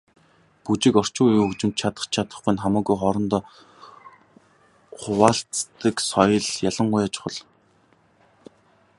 Бүжиг, орчин үеийн хөгжимд чадах чадахгүй нь хамаагүй хоорондоо хуваалцдаг соёл ялангуяа чухал.